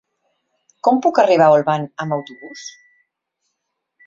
Com puc arribar a Olvan amb autobús?